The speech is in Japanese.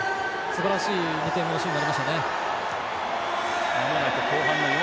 すばらしい２点目のシーンになりましたね。